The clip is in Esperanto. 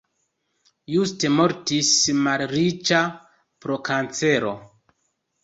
Just mortis malriĉa pro kancero.